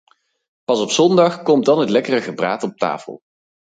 Pas op zondag komt dan het lekkere gebraad op tafel.